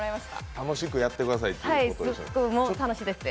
楽しくやってくださいということでしょうかね。